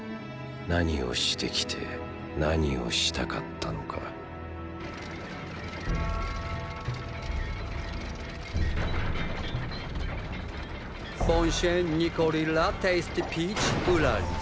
何をしてきて何をしたかったのかボンシェン・ニコリ・ラ・テイスティピーチ＝ウラリス。